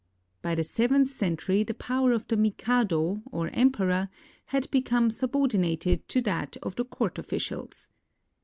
By the seventh century the power of the mikado, or emperor, had become subordinated to that of the court officials.